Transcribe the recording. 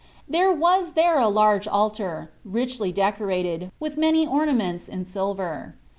There was there a large altar, richly decorated, with many orna ments in silver.